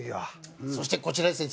そしてこちらですね